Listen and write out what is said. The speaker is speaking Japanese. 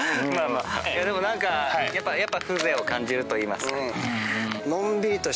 でも何かやっぱ風情を感じるといいますか。